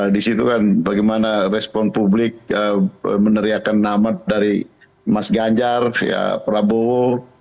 di situ kan bagaimana respon publik meneriakan nama dari mas ganjar ya prabowo